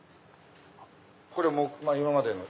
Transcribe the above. これ今までの。